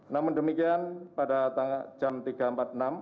namun demikian pada jam tiga empat puluh enam